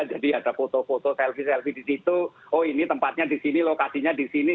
jadi ada foto foto selfie selfie di situ oh ini tempatnya di sini lokasinya di sini